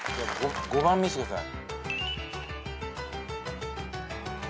５番見せてください。